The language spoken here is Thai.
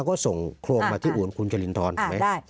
มันก็ส่งโครงมาที่อู่นคุณจริงทรด้วยอ่าได้